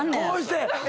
こうして。